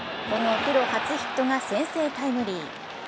このプロ初ヒットが先制タイムリー。